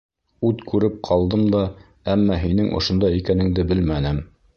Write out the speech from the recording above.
Ут күреп ҡалдым да... әммә һинең ошонда икәнеңде белмәнем.